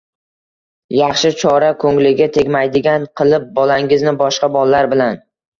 Yaxshi chora – ko‘ngliga tegmaydigan qilib bolangizni boshqa bolalar bilan